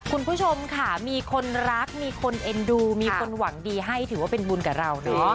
คุณผู้ชมค่ะมีคนรักมีคนเอ็นดูมีคนหวังดีให้ถือว่าเป็นบุญกับเราเนอะ